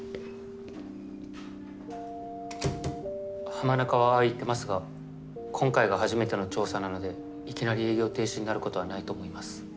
浜中はああ言ってますが今回が初めての調査なのでいきなり営業停止になることはないと思います。